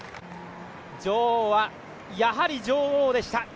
女王はやはり女王でした。